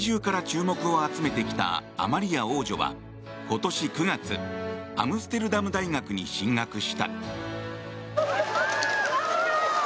常に国中から注目を集めてきたアマリア王女は今年９月アムステルダム大学に進学した。